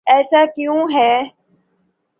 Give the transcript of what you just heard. ایسا کیوں ہے؟